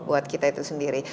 buat kita itu sendiri